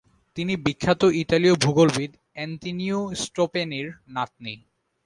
তিনি বিখ্যাত ইতালীয় ভূগোলবিদ "অ্যান্তিনিও স্টপ্যানির" নাতনী।